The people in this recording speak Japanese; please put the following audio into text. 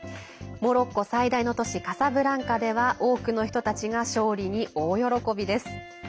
モロッコ最大の都市カサブランカでは多くの人たちが勝利に大喜びです。